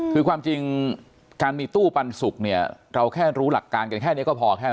คือความจริงการมีตู้ปันสุกเนี่ยเราแค่รู้หลักการกันแค่นี้ก็พอแค่นั้น